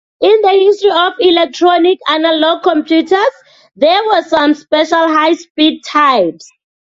In the history of electronic analog computers, there were some special high-speed types.